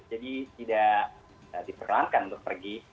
jadi tidak diperlankan untuk pergi